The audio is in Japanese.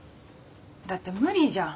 だって無理じゃん。